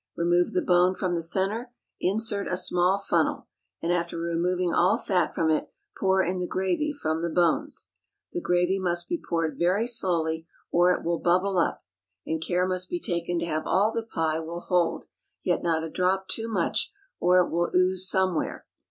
Remove the bone from the centre, insert a small funnel, and after removing all fat from it, pour in the gravy from the bones. The gravy must be poured very slowly or it will bubble up, and care must be taken to have all the pie will hold, yet not a drop too much, or it will ooze somewhere.